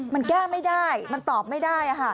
มันแก้ไม่ได้มันตอบไม่ได้